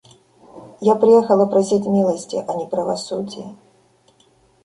Я приехала просить милости, а не правосудия.